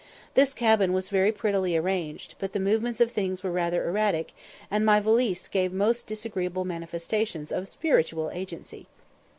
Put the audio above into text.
This cabin was very prettily arranged, but the movements of things were rather erratic, and my valise gave most disagreeable manifestations of spiritual agency.